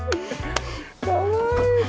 かわいい！